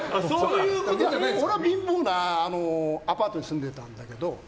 俺は貧乏なアパートに住んでたんだけど。